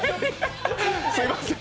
すみません。